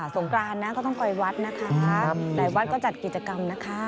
สงกราลนะก็ต้องไปวัดใดวัดก็จัดกิจกรรมละครับ